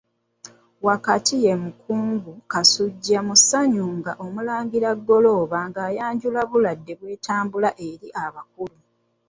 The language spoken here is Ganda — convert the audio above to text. Wakati ye mukungu Kasujja mu ssanyu nga Omulangira Golooba ng'ayanjula Buladde bw'etambula eri abakulu.